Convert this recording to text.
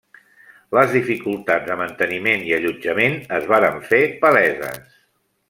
Les dificultats de manteniment i allotjament es varen fer paleses.